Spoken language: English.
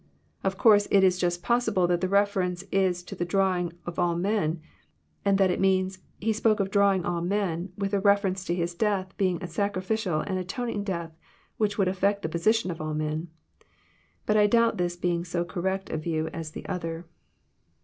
— Of course it Is Just possible that the reference is to the drawing all men, and that it means, • He spoke of drawing all men, with a reference to His death being a sacrificial and atoning death, which would affect the position of all men." But I doubt this being so cor rect a view as the other.